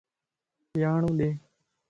ياڙو ڏي